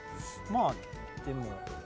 まあでも。